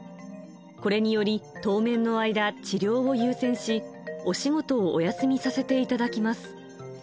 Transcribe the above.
これにより、当面の間、治療を優先し、お仕事をお休みさせていただきます。